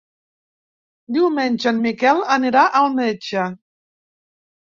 Diumenge en Miquel anirà al metge.